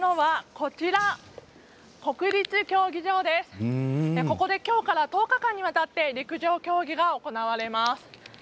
ここで、きょうから１０日間にわたって陸上競技が行われます。